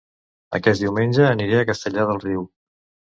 Aquest diumenge aniré a Castellar del Riu